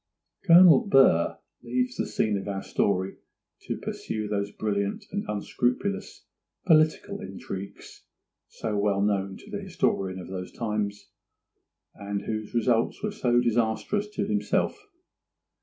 Colonel Burr leaves the scene of our story to pursue those brilliant and unscrupulous political intrigues so well known to the historian of those times, and whose results were so disastrous to himself.